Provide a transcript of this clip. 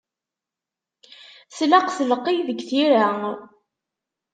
Tlaq telqey deg tira.